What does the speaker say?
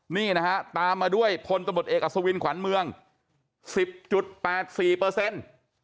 นี่นะฮะตามมาด้วยพลตำรวจเอกอัศวินขวัญเมือง๑๐๘๔เปอร์เซ็นต์